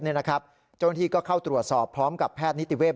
เจ้าหน้าที่ก็เข้าตรวจสอบพร้อมกับแพทย์นิติเวศ